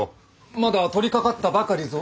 まだ取りかかったばかりぞ。